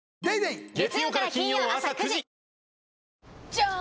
じゃーん！